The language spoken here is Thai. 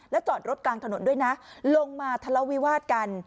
จอดรถกลางถนนด้วยนะลงมาทะเลาวิวาสกัน